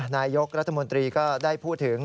นายกรัฐมนตรีก็ได้พูดถึง